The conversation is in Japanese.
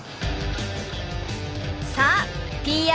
さあＰＲ